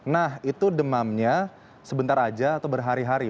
nah itu demamnya sebentar aja atau berhari hari